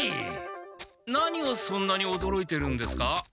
何をそんなにおどろいてるんですか？